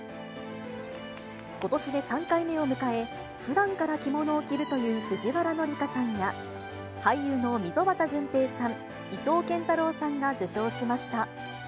ことしで３回目を迎え、ふだんから着物を着るという藤原紀香さんや、俳優の溝端淳平さん、伊藤健太郎さんが受賞しました。